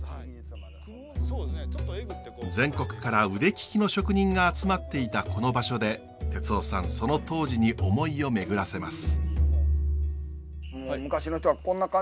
全国から腕利きの職人が集まっていたこの場所で哲夫さんその当時に思いをめぐらせます。